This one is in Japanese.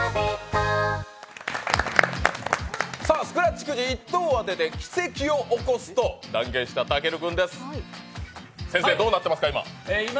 スクラッチくじ１等を当てて奇跡を起こすと断言した、たける君です先生、どうなってますか、今？